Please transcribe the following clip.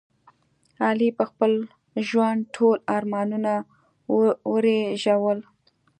علي په خپل ژوند ټول ارمانونه ورېژول.